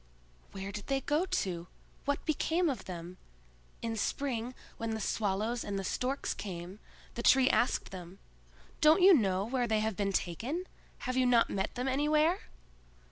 Where did they go to? What became of them? In spring, when the Swallows and the Storks came, the Tree asked them: "Don't you know where they have been taken? Have you not met them anywhere?"